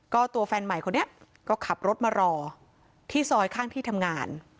ก็ตัวแฟนใหม่คนนี้ก็ขับรถมารอที่ซอยข้างที่ทำงาน